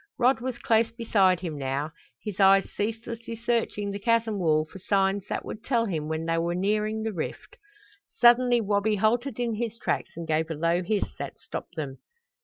Rod was close beside him now, his eyes ceaselessly searching the chasm wall for signs that would tell him when they were nearing the rift. Suddenly Wabi halted in his tracks and gave a low hiss that stopped them.